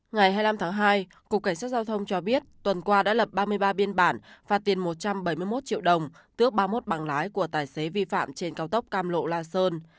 ngày hai mươi năm tháng hai cục cảnh sát giao thông cho biết tuần qua đã lập ba mươi ba biên bản phạt tiền một trăm bảy mươi một triệu đồng tước ba mươi một bằng lái của tài xế vi phạm trên cao tốc cam lộ la sơn